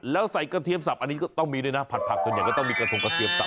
แล้วใส่กระเทียมสับอันนี้ก็ต้องมีด้วยนะผัดผักส่วนใหญ่ก็ต้องมีกระทงกระเทียมสับ